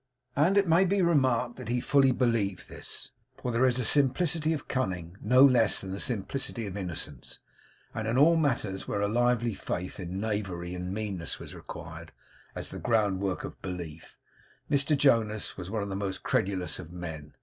And it may be remarked that he fully believed this; for there is a simplicity of cunning no less than a simplicity of innocence; and in all matters where a lively faith in knavery and meanness was required as the ground work of belief, Mr Jonas was one of the most credulous of men.